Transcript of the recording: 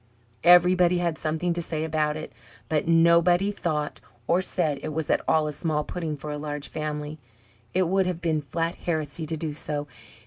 Everybody had something to say about it, but nobody thought or said it was at all a small pudding for a large family. It would have been flat heresy to do so.